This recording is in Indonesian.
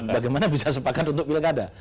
bagaimana bisa sepakat untuk pilkada